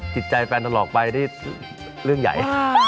จิตใจฟันทะหรอกไปนี่เรื่องใหญ่